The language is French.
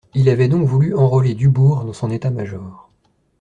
Il avait donc voulu enrôler Dubourg dans son état-major.